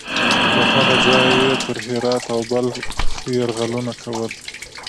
له هغه ځایه یې پر هرات او بلخ یرغلونه کول.